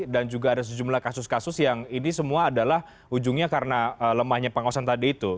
dan juga ada sejumlah kasus kasus yang ini semua adalah ujungnya karena lemahnya pengawasan tadi itu